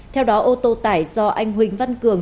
theo đó ô tô tải do anh huỳnh văn cường